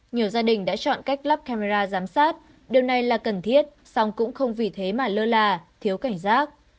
nhiều gia đình đã chọn cách lắp camera giám sát điều này là cần thiết song cũng không vì thế mà lơ là thiếu cảnh giác